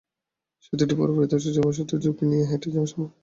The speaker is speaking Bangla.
সেতুটি পুরোপুরি ধসে যাওয়ায় শুধু ঝুঁকি নিয়ে হেঁটে যাওয়াই সম্ভব হচ্ছে।